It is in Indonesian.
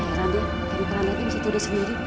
kok heran dia karena itu bisa tuduh sendiri